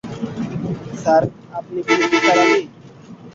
Sir, আপনি কি নিসার আলি?